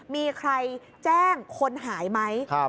มีใครแจ้งคนหายไหม